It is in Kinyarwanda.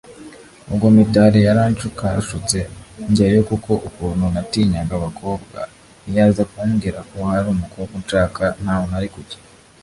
ubwo Mitali yaranshukashutse njyayo kuko ukuntu natinyaga abakobwa iyo aza kumbwira ko hari umukobwa unshaka ntaho nari kujya